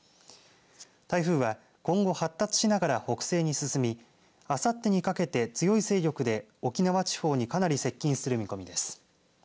台風は今後発達しながら北西に進みあさっにかけて強い勢力で沖縄地方にかなり接近する見込みです。